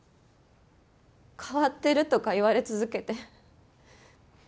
変わってるとか言われ続けて。